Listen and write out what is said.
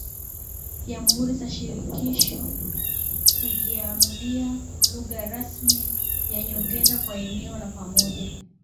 Jamhuri za shirikisho kujiamulia lugha rasmi ya nyongeza kwa eneo lao pamoja